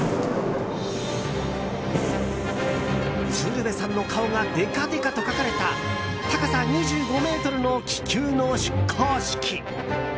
鶴瓶さんの顔がでかでかと描かれた高さ２５ｍの気球の出航式。